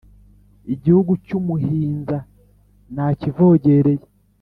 Igihugu cy’umuhinza nakivogereye